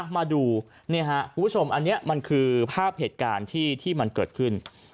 มาดูคุณผู้ชมอันนี้มันคือภาพเหตุการณ์ที่มันเกิดขึ้น